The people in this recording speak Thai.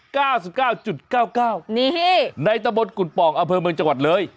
เก้าสิบเก้าจุดเก้าเก้านี่ในตะบนกุ่นป่องอำเภอเมืองจังหวัดเลย